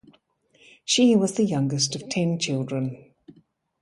She was the youngest of ten children.